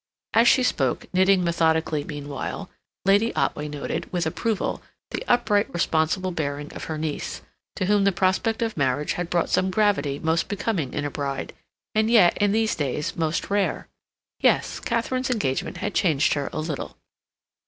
As she spoke, knitting methodically meanwhile, Lady Otway noted, with approval, the upright, responsible bearing of her niece, to whom the prospect of marriage had brought some gravity most becoming in a bride, and yet, in these days, most rare. Yes, Katharine's engagement had changed her a little.